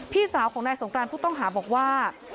พี่สาวของนายสงกรานผู้ต้องหาบอกว่า